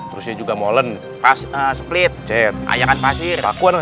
terusnya juga molen pas seplit ayam pasir